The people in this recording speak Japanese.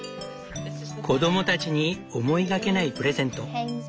子供たちに思いがけないプレゼント。